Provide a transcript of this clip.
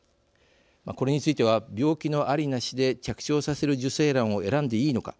これについては病気のあり・なしで着床させる受精卵を選んでいいのか。